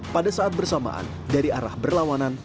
pada saat bersamaan dari arah berlawanan